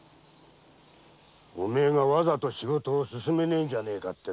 お前がわざと仕事を進めねぇんじゃねぇかって。